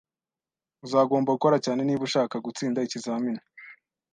Uzagomba gukora cyane niba ushaka gutsinda ikizamini